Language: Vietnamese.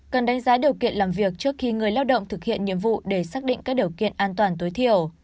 cần đánh giá điều kiện làm việc trước khi người lao động thực hiện nhiệm vụ để xác định các điều kiện an toàn tối thiểu